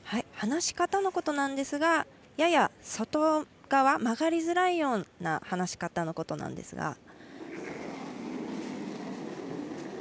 放し方のことなんですがやや外側曲がりづらいような放し方のことなんですが。